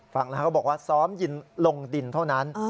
ฟังแล้วเขาบอกว่าซ้อมยินลงดินเท่านั้น